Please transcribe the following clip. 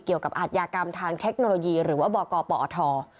เกี่ยวกับอาชญากรรมทางเทคโนโลยีหรือว่าบกปอท